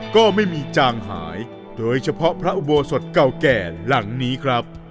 ก็ไม่มีจางหายโดยเฉพาะพระอุโบสถเก่าแก่หลังนี้ครับ